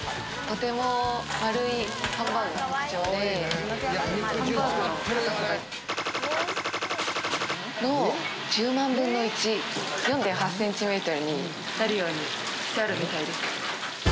丸いハンバーグが特徴で、ハンバーグの高さ、の１０万分の１、４．８ｃｍメートルになるようにしてあるみたいです。